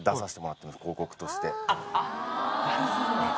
あっなるほどね。